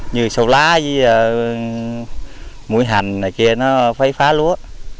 như sâu lá mũi hành ở kia nó phải phá lúa